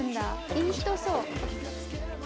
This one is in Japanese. いい人そう。